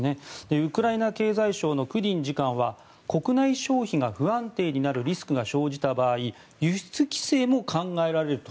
ウクライナ経済省のクディン次官は国内消費が不安定になるリスクが生じた場合輸出規制も考えられると。